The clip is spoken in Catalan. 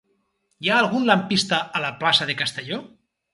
Hi ha algun lampista a la plaça de Castelló?